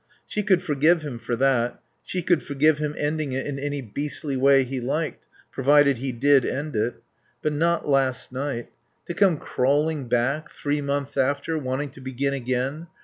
She could forgive him for that. She could forgive him ending it in any beastly way he liked, provided he did end it. But not last night. To come crawling back, three months after, wanting to begin again.